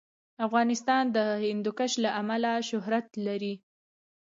افغانستان د هندوکش له امله شهرت لري.